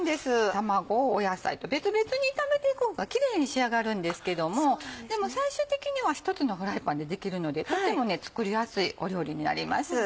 卵野菜と別々に炒めていく方がキレイに仕上がるんですけどもでも最終的には１つのフライパンでできるのでとっても作りやすい料理になります。